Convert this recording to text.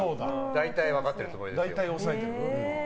大体分かってるつもりですよ。